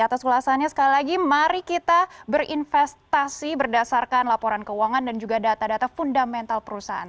atas ulasannya sekali lagi mari kita berinvestasi berdasarkan laporan keuangan dan juga data data fundamental perusahaan